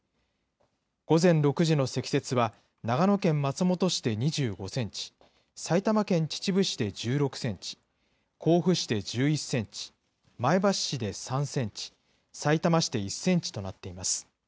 午前６時の積雪は、長野県松本市で２５センチ、埼玉県秩父市で１６センチ、甲府市で１１センチ、前橋市で３センチ、さいたま市で１センチとなっています。